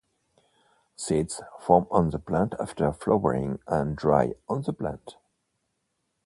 Seeds form on the plant after flowering and dry on the plant.